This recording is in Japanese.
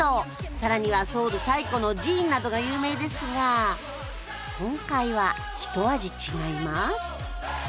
更にはソウル最古の寺院などが有名ですが今回は一味違います